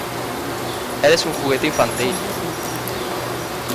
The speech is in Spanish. ¡ Eres un juguete infantil!